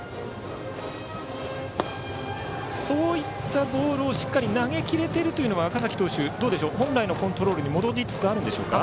そういったボールをしっかり投げ切れているのは赤嵜投手、本来のコントロールに戻りつつあるんでしょうか？